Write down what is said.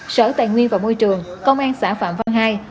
sở tài nguyên và môi trường công an xã phạm văn hai